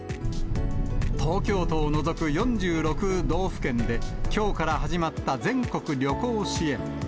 東京都を除く４６道府県できょうから始まった全国旅行支援。